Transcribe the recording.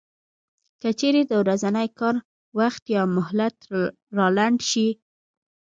که چېرې د ورځني کار وخت یا مهلت را لنډ شي